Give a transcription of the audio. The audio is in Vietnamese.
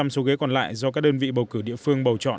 năm mươi số ghế còn lại do các đơn vị bầu cử địa phương bầu chọn